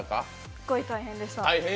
すっごい大変でした。